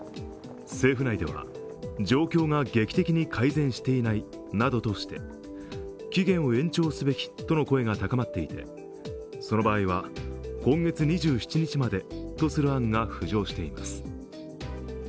政府内では状況が劇的に改善していないなどとして期限を延長すべきとの声が高まっていてその場合は、今月２７日までとする案が浮上しています。